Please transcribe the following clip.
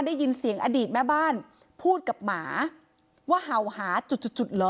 ได้ยินเสียงอดีตแม่บ้านพูดกับหมาว่าเห่าหาจุดจุดเหรอ